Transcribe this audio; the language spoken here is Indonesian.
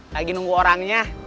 lagi nunggu orangnya